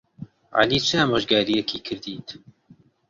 عەلی چ ئامۆژگارییەکی کردیت؟